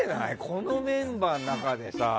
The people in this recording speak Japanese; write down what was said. このメンバーの中でさ。